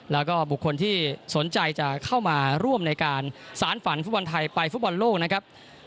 แล้วก็บุคคลที่สนใจจะเข้ามาร่วมในการสารฝันฟุตบอลไทยไปฟุตบอลโลกนะครับ